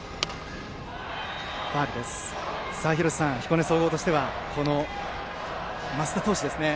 廣瀬さん、彦根総合としてはこの升田投手ですね。